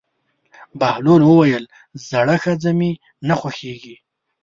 بهلول وویل: زړه ښځه مې نه خوښېږي.